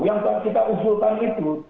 yang kita usulkan itu